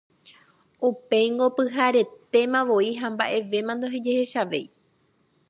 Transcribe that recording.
Upéingo pyharetémavoi ha mba'evéma ndojehechavéi.